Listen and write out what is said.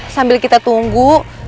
sambil kita tunggu